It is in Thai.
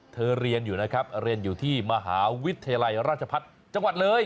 เรียนอยู่นะครับเรียนอยู่ที่มหาวิทยาลัยราชพัฒน์จังหวัดเลย